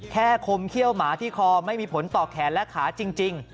คมเขี้ยวหมาที่คอไม่มีผลต่อแขนและขาจริง